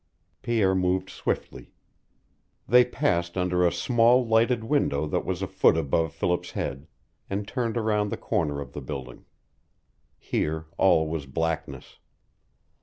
Pierre moved swiftly. They passed under a small lighted window that was a foot above Philip's head, and turned around the corner of the building. Here all was blackness.